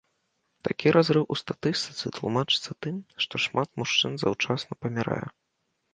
Такі разрыў у статыстыцы тлумачыцца тым, што шмат мужчын заўчасна памірае.